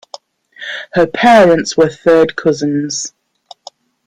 Her parents were third cousins.